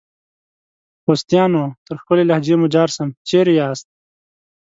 خوستیانو ! تر ښکلي لهجې مو جار سم ، چیري یاست؟